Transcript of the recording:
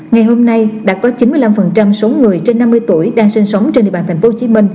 ngày hôm nay đã có chín mươi năm số người trên năm mươi tuổi đang sinh sống trên địa bàn tp hcm